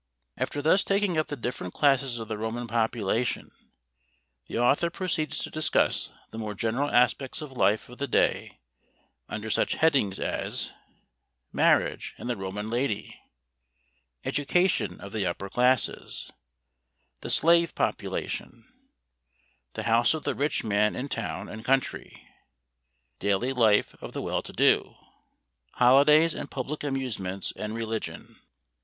After thus taking up the different classes of the Roman population, the author proceeds to discuss the more general aspects of the life of the day under such headings as "Marriage and the Roman Lady," "Education of the Upper Classes," "The Slave Population," "The House of the Rich Man in Town and Country," "Daily Life of the Well to do," "Holidays and Public Amusements and Religion."